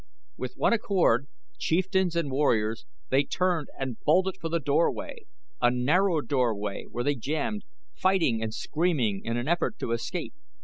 With one accord, chieftains and warriors, they turned and bolted for the doorway; a narrow doorway, where they jammed, fighting and screaming in an effort to escape.